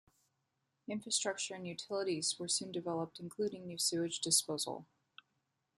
Infrastructure and utilities were soon developed including new sewage disposal.